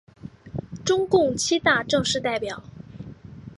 中共七大正式代表。